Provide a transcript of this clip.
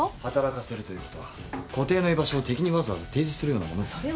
働かせるということは固定の居場所を敵にわざわざ提示するようなものです。